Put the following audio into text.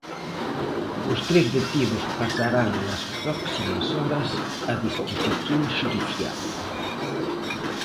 Os tres detidos pasarán nas próximas horas a disposición xudicial.